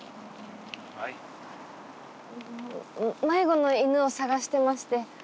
迷子の犬を捜してまして。